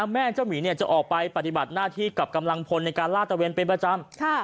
แม่เจ้าหมีจะออกไปปฏิบัติหน้าที่กับกำลังพลในการลาดตะเวนเป็นประจำ